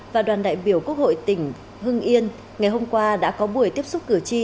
và đoàn đại biểu quốc hội tỉnh hưng yên ngày hôm qua đã có buổi tiếp xúc cử tri